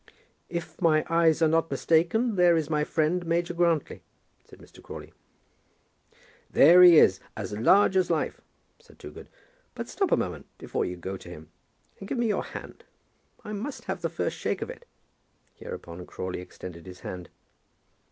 "If my eyes are not mistaken, there is my friend, Major Grantly," said Mr. Crawley. "There he is, as large as life," said Toogood. "But stop a moment before you go to him, and give me your hand. I must have the first shake of it." Hereupon Crawley extended his hand.